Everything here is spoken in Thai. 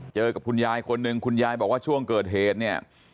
กับคุณยายคนหนึ่งคุณยายบอกว่าช่วงเกิดเหตุเนี่ย